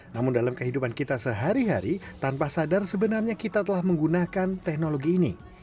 namun dalam kehidupan kita sehari hari tanpa sadar sebenarnya kita telah menggunakan teknologi ini